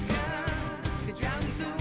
jangan diselam atom